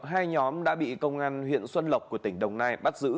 hai nhóm đã bị công an huyện xuân lộc của tỉnh đồng nai bắt giữ